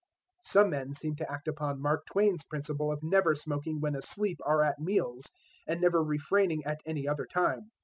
Some men seem to act upon Mark Twain's principle of never smoking when asleep or at meals, and never refraining at any other time.